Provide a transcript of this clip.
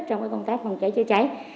trong công tác phòng cháy chữa cháy